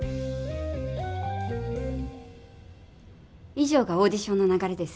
い上がオーディションの流れです。